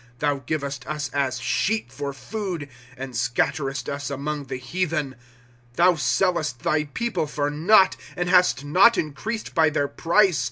^' Thou givest us as sheep for food, And scatterest us among the heathen. ^^ Thou sellest thy people for naught, And hast not increased by their price.